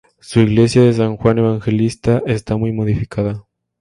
Su iglesia de San Juan Evangelista está muy modificada.